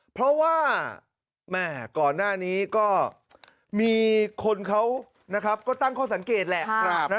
เพราะว่าแม่ก่อนหน้านี้ก็มีคนเขาก็ตั้งข้อสังเกตแหละ